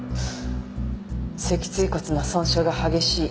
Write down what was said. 脊椎骨の損傷が激しい。